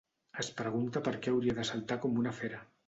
Es pregunta per què hauria de saltar com una fera.